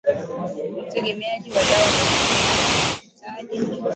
utegemeaji wa dawa za kulevya huhitaji